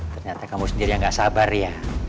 ternyata kamu sendiri yang gak sabar ya